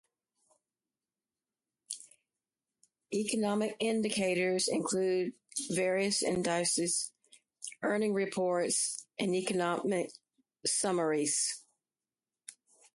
Economic indicators include various indices, earnings reports, and economic summaries.